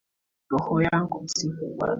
Roho yangu msifu Bwana.